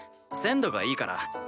鮮度がいいから。